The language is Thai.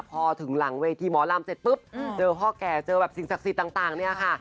พอถึงหลังเวทีหมอลำเสร็จปุ๊บเจอพ่อแก่เจอแบบสิ่งศักดิ์สิทธิ์ต่างเนี่ยค่ะ